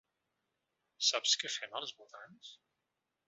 Saps què fem als votants?